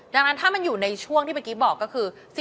ดังนั้นถ้ามันอยู่ในช่วงที่เมื่อกี้บอกก็คือ